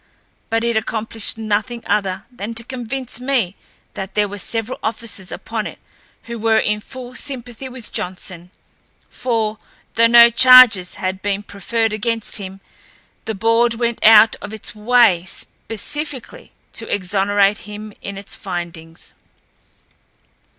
But it accomplished nothing other than to convince me that there were several officers upon it who were in full sympathy with Johnson, for, though no charges had been preferred against him, the board went out of its way specifically to exonerate him in its findings.